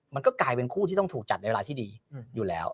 มันก็กลายเป็นคู่ที่ต้องถูกจัดในเวลาที่ดีอยู่แล้ว